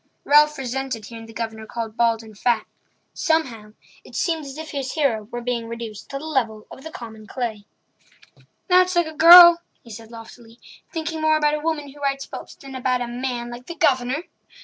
Ralph resented hearing the Governor called bald and fat. Somehow it seemed as if his hero were being reduced to the level of common clay. "That's like a girl," he said loftily; "thinking more about a woman who writes books than about a man like the Governor!"